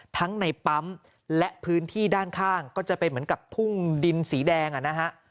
ทั้งในปั๊มและพื้นที่ด้านข้างก็จะเป็นเหมือนกับทุ่งดินสีแดงอ่ะนะฮะ